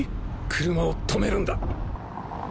車を止めるんだ。